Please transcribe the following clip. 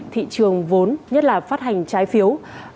thị trường vốn nhất là phát hành trái phiếu